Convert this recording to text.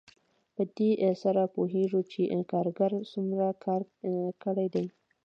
په دې سره پوهېږو چې کارګر څومره کار کړی دی